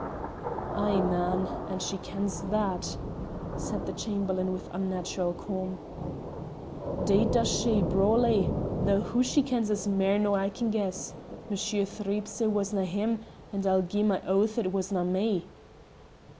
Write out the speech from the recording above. "Ay, man, and she kens that?" said the Chamberlain with unnatural calm. "'Deed does she, brawly! though hoo she kens is mair nor I can guess. Monsher thrieps it wasnae him, and I'll gie my oath it wasnae me."